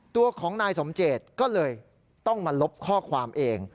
ตัวของนายสมเจตก็เลยต้องมาลบข้อความเอง